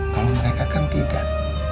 kalau mereka kan tidak